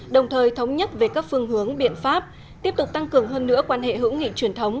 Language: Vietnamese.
đồng thời thống nhất về các phương hướng biện pháp tiếp tục tăng cường hơn nữa quan hệ hữu nghị truyền thống